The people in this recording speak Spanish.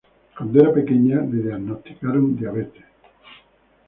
Cuando era pequeña le diagnosticaron diabetes.